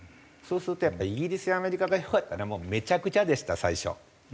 そうするとやっぱりイギリスやアメリカが良かったのはもうめちゃくちゃでした最初。